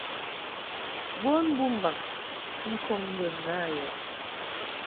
Bon bɨmbaŋ ŋkɔŋ bə na yab.